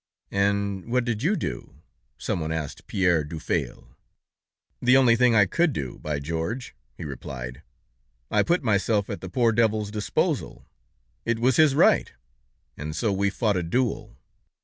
"And what did you do?" someone asked Pierre Dufaille. "The only thing I could do, by George!" he replied. "I put myself at the poor devil's disposal; it was his right, and so we fought a duel.